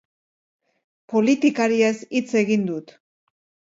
Politikariez hitz egin dut.